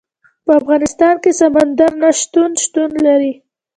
په افغانستان کې سمندر نه شتون شتون لري.